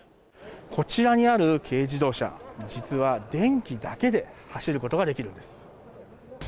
こちらにある軽自動車、実は、電気だけで走ることができるんです。